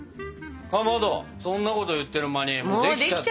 かまどそんなこと言ってる間にもうできちゃったよ。